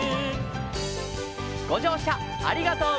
「ごじょうしゃありがとうございます」